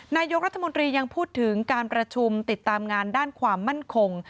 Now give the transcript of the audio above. นายกรัฐมนตรียังพูดถึงการประชุมติดตามงานด้านความมั่นคง